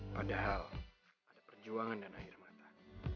padahal ada perjuangan dan air mata